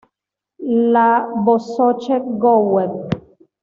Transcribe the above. La Bazoche-Gouet